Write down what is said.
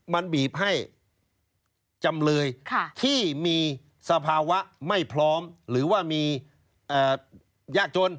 มันบีบให้จำเลยที่มีสภาวะไม่พร้อมหรือว่ามียากจน